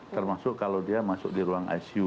termasuk kalau dia masuk di ruang icu